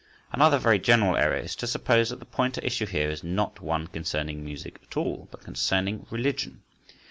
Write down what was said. Another very general error is to suppose that the point at issue here is not one concerning music at all, but concerning religion.